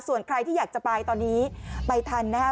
ส่วนใครที่อยากจะไปตอนนี้ไปทันนะครับ